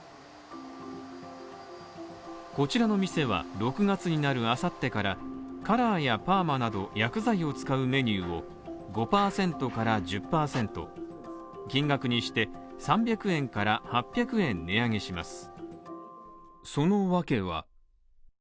こちらのお店は６月になる明後日からカラーやパーマなど薬剤を使うメニューを５％から１０％、金額にして３００円から８００円値上げします。